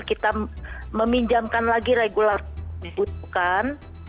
kita meminjamkan lagi regulator yang dibutuhkan